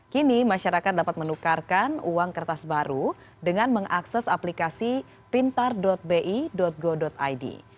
kini masyarakat dapat menukarkan uang kertas baru dengan mengakses aplikasi pintar bi go id